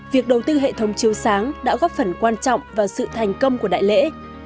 việc đầu tư hệ thống chiếu sáng đã góp phần quan trọng vào sự thành công của đại lễ